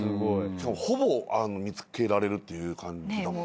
しかもほぼ見つけられるっていう感じだもん。